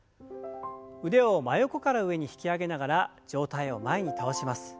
腕を真横から上に引き上げながら上体を前に倒します。